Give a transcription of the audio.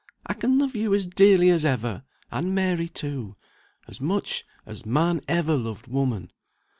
I can love you as dearly as ever, and Mary too, as much as man ever loved woman."